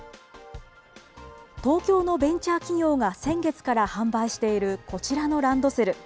東京のベンチャー企業が先月から販売しているこちらのランドセル。